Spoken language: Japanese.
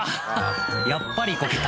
やっぱりこけた